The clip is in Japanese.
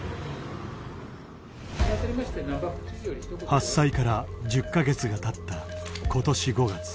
発災から１０カ月が経った今年５月。